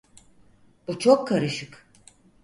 Bu çok karışık.